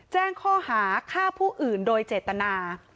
แจ้งข้อหาฆ่าผู้อื่นโดยเจตนา